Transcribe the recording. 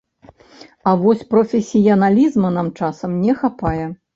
А вось прафесіяналізма нам часам не хапае.